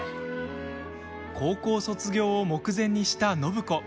高校卒業を目前にした暢子。